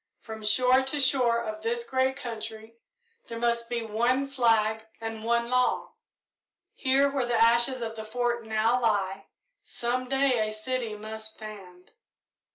From shore to shore of this great country there must be one flag and one law. Here, where the ashes of the Fort now lie, some day a city must stand."